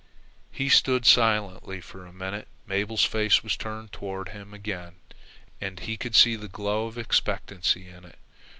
He stood silently for a minute. Mabel's face was turned toward him again, and he could see the glow of expectancy in it.